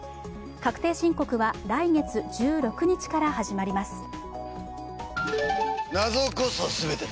確定申告は来月１６日から始まります。